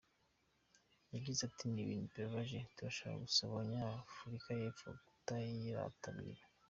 Yagize ati “Ni ibintu bibabaje, turashaka gusaba Abanyafurika y’Epfo kutayitabira.